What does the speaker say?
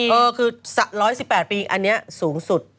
เออคือ๑๑๘ปีอันนี้สูงสุด